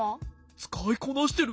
つかいこなしてる。